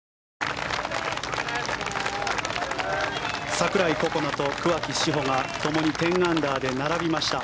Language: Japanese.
櫻井心那と桑木志帆がともに１０アンダーで並びました。